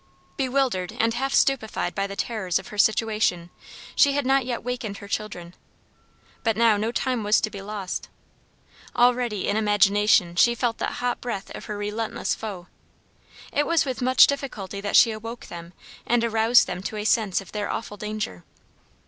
Bewildered and half stupefied by the terrors of her situation, she had not yet wakened her children. But now no time was to be lost. Already in imagination she felt the hot breath of her relentless foe. It was with much difficulty that she awoke them and aroused them to a sense of their awful danger.